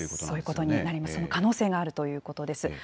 そういうことになります、その可能性があるということです。